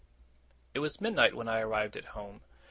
It was midnight when I arrived at home.